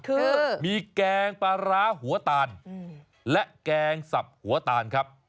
คือมีแกงปลาร้าหัวตาลและแกงสับหัวตาลครับ